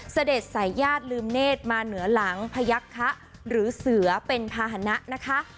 เสด็จสายญาติลืมเนธมาเหนือหลังพยักษะหรือเสือเป็นภาษณะนะคะ